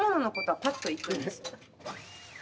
はい。